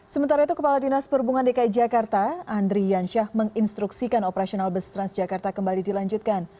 sementara itu kepala dinas perhubungan dki jakarta andri yansyah menginstruksikan operasional bus transjakarta kembali dilanjutkan